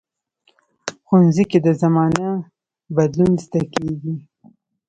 ښوونځی کې د زمانه بدلون زده کېږي